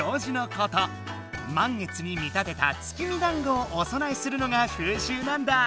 まん月に見立てた月見だんごをおそなえするのがふうしゅうなんだ。